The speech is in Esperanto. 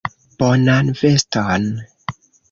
Bonan veston.